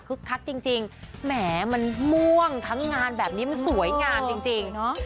คึกคักจริงจริงแหมมันม่วงทั้งงานแบบนี้มันสวยงามจริงจริงเนอะ